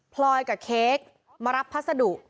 พลอยกับเค้กมารับพัสดุ